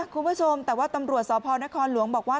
คุณผู้ชมแต่ว่าตำรวจสพนครหลวงบอกว่า